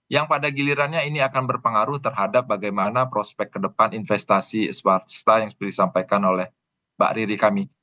yang pada gilirannya ini akan berpengaruh terhadap bagaimana prospek ke depan investasi swasta yang seperti disampaikan oleh mbak riri kami